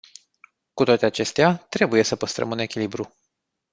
Cu toate acestea, trebuie sa păstrăm un echilibru.